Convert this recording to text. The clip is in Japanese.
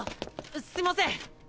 すいません！